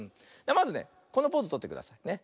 まずねこのポーズとってくださいね。